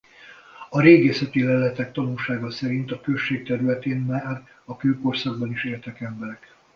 A régészeti leletek tanúsága szerint a község területén már a kőkorszakban is éltek emberek.